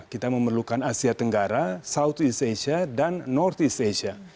kita memerlukan asia tenggara southeast asia dan northeast asia